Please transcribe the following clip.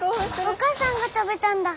お母さんが食べたんだ。